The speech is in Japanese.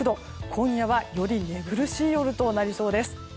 今夜はより寝苦しい夜となりそうです。